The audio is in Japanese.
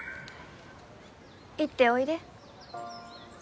行っておいで。